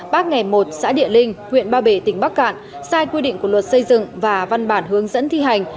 bác nghề một xã địa linh huyện ba bể tỉnh bắc cạn sai quy định của luật xây dựng và văn bản hướng dẫn thi hành